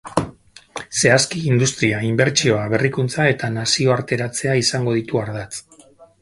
Zehazki, industria, inbertsioa, berrikuntza eta nazioarteratzea izango ditu ardatz.